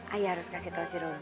ayah harus kasih tau si robby